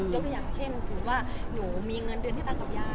ยกตัวอย่างเช่นหนูมีเงินเดือนที่ตั้งกับยาย